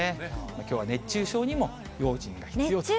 きょうは熱中症にも用心が必要。